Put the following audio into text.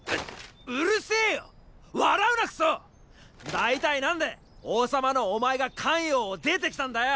大体何で王様のお前が咸陽を出て来たんだよ！